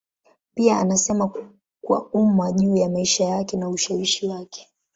Pia anasema kwa umma juu ya maisha yake na ushawishi wake.